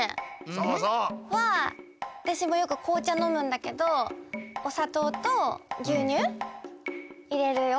そうそう。はわたしもよくこうちゃのむんだけどおさとうとぎゅうにゅう入れるよ。